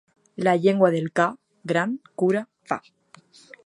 La llengua del ca gran cura fa.